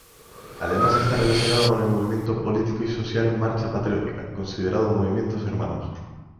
Ademas esta relacionado con el movimiento político y social Marcha Patriótica, considerados movimientos hermanos.